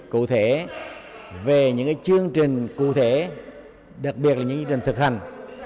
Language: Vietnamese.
cụ thể về những chương trình cụ thể đặc biệt là những chương trình thực hành